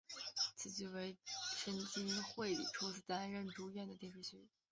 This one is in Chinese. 此剧为深津绘里初次担任主演的电视剧。